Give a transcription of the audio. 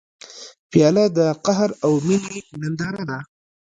پیاله د قهر او مینې ننداره ده.